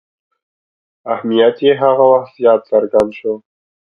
اهمیت یې هغه وخت زیات څرګند شو.